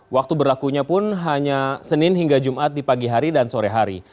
waktu berlakunya pun hanya senin hingga jumat di pagi hari dan sore hari